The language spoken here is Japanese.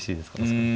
確かに。